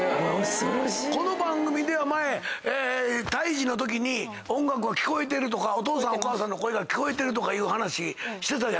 この番組では前胎児のときに音楽は聞こえてるとかお父さんお母さんの声が聞こえてる話してたじゃない。